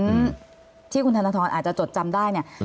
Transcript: การลื้อฟื้นที่คุณธนทรอนอาจจะจดจำได้เนี่ย